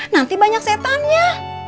nanti banyak setannya